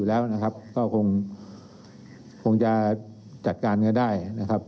แล้วนะครับก็คงจะจัดการกันได้นะครับ